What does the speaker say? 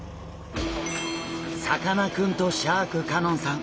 さかなクンとシャーク香音さん